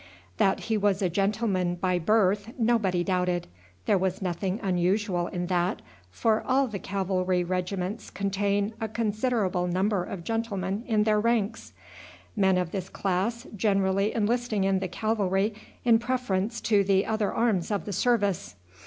That he was a gentleman by birth nobody doubted. There was nothing unusual in that, for all the cavalry regiments contain a considerable number of gentlemen in their ranks; men of this class generally enlisting in the cavalry in preference to the other arms of the service.